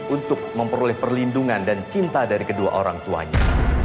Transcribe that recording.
untuk memperoleh perlindungan dan cinta dari kedua orang tuanya